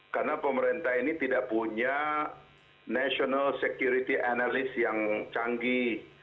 karena pemerintah ini tidak punya national security analyst yang canggih